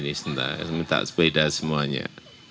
sebentar sepeda semuanya